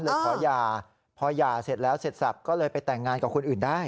ขอหย่าพอหย่าเสร็จแล้วเสร็จสับก็เลยไปแต่งงานกับคนอื่นได้